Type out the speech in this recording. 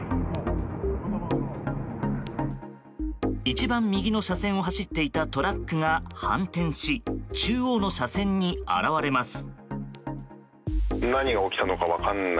一番右の車線を走っていたトラックが反転し中央の車線に現れます。